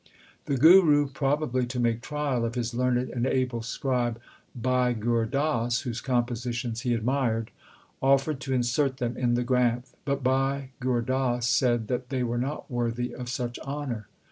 The Guru, probably to make trial of his learned and able scribe Bhai Gur Das, whose compositions he admired, offered to insert them in the Granth ; but Bhai Gur Das said that they were not worthy of such honour.